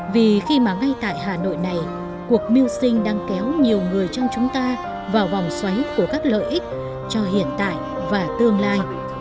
vì khi mà ngay tại hà nội này cuộc mưu sinh đang kéo nhiều người trong chúng ta vào vòng xoáy của các lợi ích cho hiện tại và tương lai